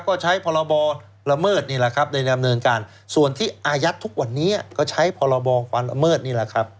ก็ใช้พรบละเมิดนี่แหละครับในดำเนินการส่วนที่อายัดทุกวันนี้ก็ใช้พรบความละเมิดนี่แหละครับ